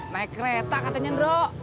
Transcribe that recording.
naik kereta katanya ndro